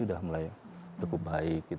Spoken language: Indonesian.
sudah mulai cukup baik